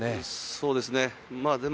そうですね。